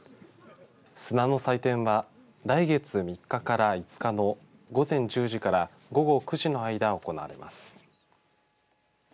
砂の祭典は来月３日から５日の午前１０時から午後９時の間行われます。